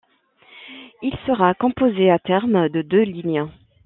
Il sera composé à terme de deux lignes.